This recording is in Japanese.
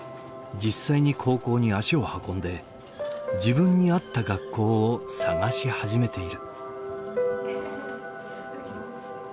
実際に高校に足を運んで自分に合った学校を探し始めている。